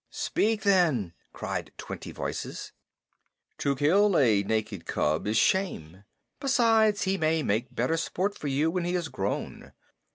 "Speak then," cried twenty voices. "To kill a naked cub is shame. Besides, he may make better sport for you when he is grown.